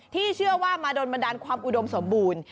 ที่เชื่อว่ามาโดนบันดาลความอุดมสมบูรณ์